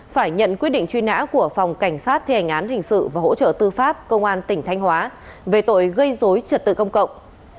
phải nhận quyết định truy nã của phòng cảnh sát thi hành án hình sự và hỗ trợ tư pháp công an tỉnh thanh hóa về tội gây dối trật tự công cộng